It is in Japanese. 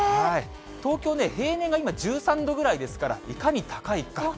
東京ね、平年が今、１３度ぐらいですから、いかに高いか。